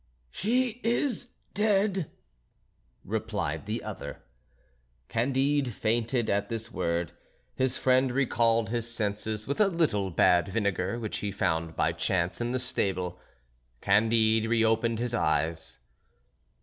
"She is dead," replied the other. Candide fainted at this word; his friend recalled his senses with a little bad vinegar which he found by chance in the stable. Candide reopened his eyes.